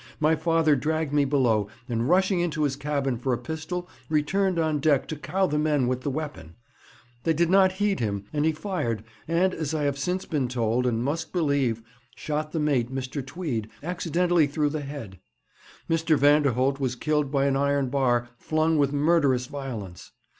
My father dragged me below, and, rushing into his cabin for a pistol, returned on deck to cow the men with the weapon. They did not heed him, and he fired, and, as I have since been told, and must believe, shot the mate, Mr. Tweed, accidentally through the head. Mr. Vanderholt was killed by an iron bar, flung with murderous violence.